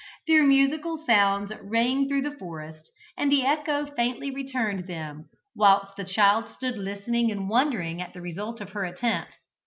Their musical sounds rang through the forest, and the echo faintly returned them, whilst the child stood listening and wondering at the result of her attempt.